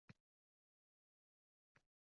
Aysh ham qildi